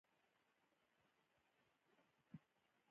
سربېره پر دې د فرهنګي میراث په توګه دغه ودانۍ ساتنه وغواړو.